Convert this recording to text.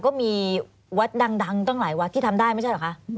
ก็มีวัดดังตั้งหลายวัดที่ทำได้ไม่ใช่เหรอคะ